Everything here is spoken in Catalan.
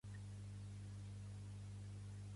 Vull canviar japonès a català.